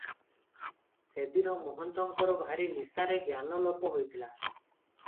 ସେଦିନ ମହନ୍ତଙ୍କର ଭାରି ନିଶାରେ ଜ୍ଞାନ ଲୋପ ହୋଇଥିଲା ।